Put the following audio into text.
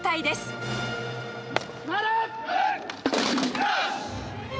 よし！